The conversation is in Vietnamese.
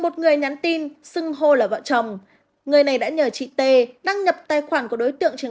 một người nhắn tin sưng hô là vợ chồng người này đã nhờ chị t đăng nhập tài khoản của đối tượng trần